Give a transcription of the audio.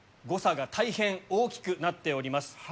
誤差が大変大きくなっております。